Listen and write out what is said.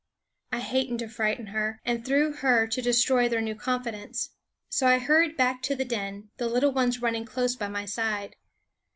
I hated to frighten her, and through her to destroy their new confidence ; so I hur ried back to the den, the little ones running close by my side.